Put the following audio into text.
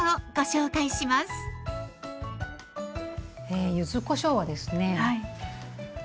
柚子こしょうはですね